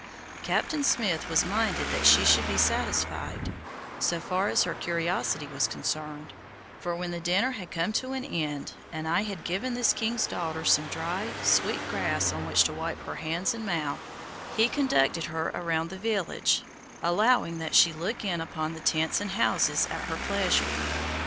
Captain Smith was minded that she should be satisfied, so far as her curiosity was concerned, for when the dinner had come to an end, and I had given this king's daughter some dry, sweet grass on which to wipe her hands and mouth, he conducted her around the village, allowing that she look in upon the tents and houses at her pleasure.